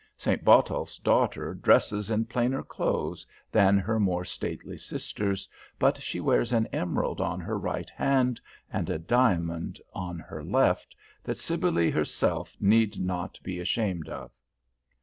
St. Botolph's daughter dresses in plainer clothes than her more stately sisters, but she wears an emerald on her right hand and a diamond on her left that Cybele herself need not be ashamed of.